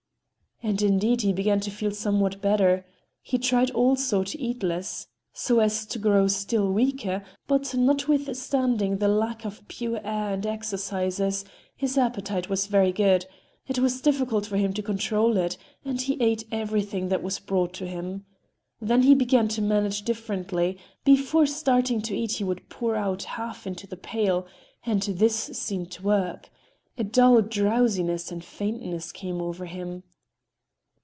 And, indeed, he began to feel somewhat better. He tried also to eat less, so as to grow still weaker, but notwithstanding the lack of pure air and exercises, his appetite was very good,—it was difficult for him to control it, and he ate everything that was brought to him. Then he began to manage differently—before starting to eat he would pour out half into the pail, and this seemed to work. A dull drowsiness and faintness came over him.